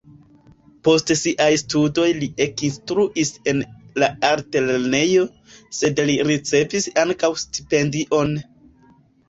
Post siaj studoj li ekinstruis en la altlernejo, sed li ricevis ankaŭ stipendion.